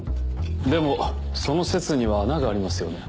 でもその説には穴がありますよね。